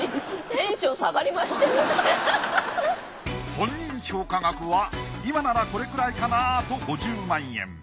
本人評価額は今ならこれくらいかなぁと５０万円。